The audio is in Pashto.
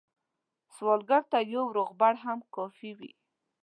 سوالګر ته یو روغبړ هم کافي وي